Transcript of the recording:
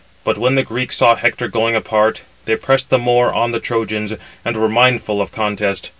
But when the Greeks saw Hector going apart, they pressed the more on the Trojans, and were mindful of contest.